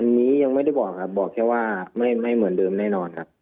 อันนี้ยังไม่ได้บอกครับบอกแค่ว่าไม่เหมือนเดิมแน่นอนครับ